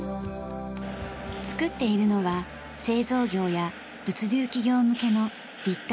作っているのは製造業や物流企業向けの立体自動倉庫。